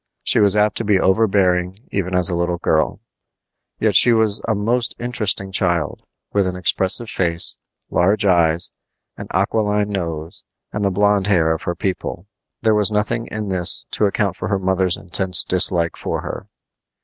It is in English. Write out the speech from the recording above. She was apt to be overbearing even as a little girl. Yet she was a most interesting child, with an expressive face, large eyes, an aquiline nose, and the blond hair of her people. There was nothing in this to account for her mother's intense dislike for her.